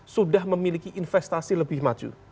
sudah memiliki investasi lebih maju